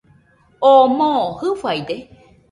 ¿Oo moo jɨfaide?